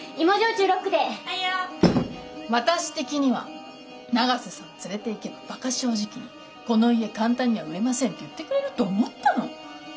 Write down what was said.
わたし的には永瀬さん連れていけばバカ正直に「この家簡単には売れません」って言ってくれると思ったのに！